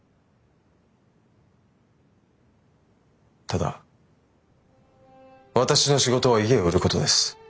ただ私の仕事は家を売ることです。